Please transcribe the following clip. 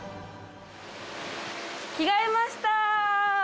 着替えました。